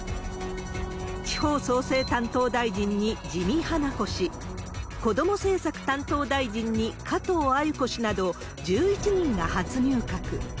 地方創生担当大臣に自見英子氏、こども政策担当大臣に加藤鮎子氏など、１１人が初入閣。